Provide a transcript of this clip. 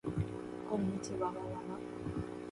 こんにちわわわわ